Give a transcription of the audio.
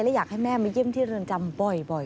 และอยากให้แม่มาเยี่ยมที่เรือนจำบ่อย